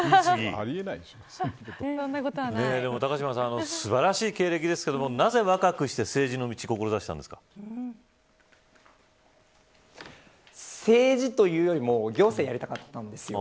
高島さん素晴らしい経歴ですがなぜ若くして政治というよりも行政をやりたかったんです。